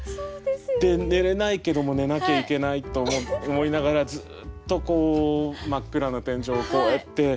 で寝れないけども寝なきゃいけないと思いながらずっと真っ暗な天井をこうやって見てたんですね。